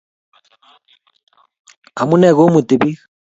Amune komuti pik?